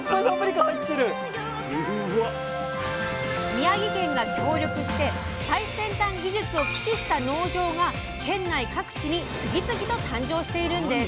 宮城県が協力して最先端技術を駆使した農場が県内各地に次々と誕生しているんです！